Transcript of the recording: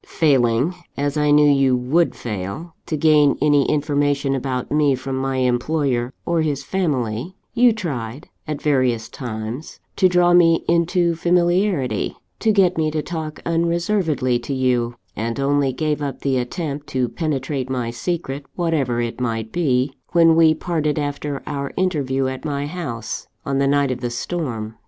Failing as I knew you would fail to gain any information about me from my employer or his family, you tried, at various times, to draw me into familiarity, to get me to talk unreservedly to you; and only gave up the attempt to penetrate my secret, whatever it might be, when we parted after our interview at my house on the night of the storm.